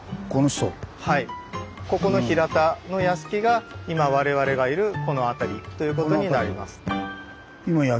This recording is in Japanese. ここの平田の屋敷が今われわれがいるこの辺りということになります。